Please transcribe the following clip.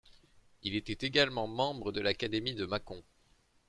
Il était également membre de l'Académie de Mâcon.